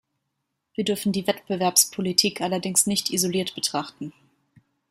Wir dürfen die Wettbewerbspolitik allerdings nicht isoliert betrachten.